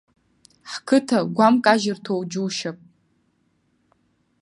Ҳқыҭа гәамкажьырҭоу џьушьап.